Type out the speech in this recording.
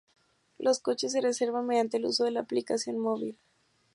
Los coches se reservan mediante el uso de la aplicación móvil.